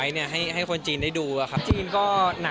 ส่งมาละเดือนหน้า